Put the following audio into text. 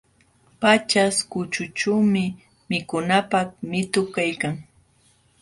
Paćhaśhkućhućhuumi mikunapaq mitu kaykan.